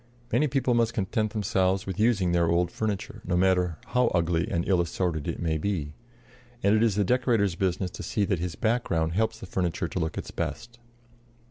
Many people must content themselves with using their old furniture, no matter how ugly and ill assorted it may be; and it is the decorator's business to see that his background helps the furniture to look its best.